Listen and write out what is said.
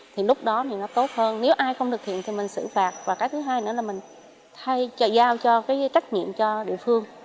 thì lúc đó thì nó tốt hơn nếu ai không thực hiện thì mình xử phạt và cái thứ hai nữa là mình hay giao trách nhiệm cho địa phương